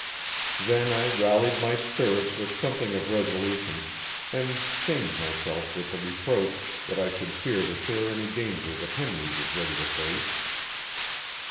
Then I rallied my spirits with something of resolution, and shamed myself with the reproach that I should fear to share any danger that Henry was ready to face.